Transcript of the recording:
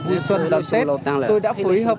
vui xuân đón tết tôi đã phối hợp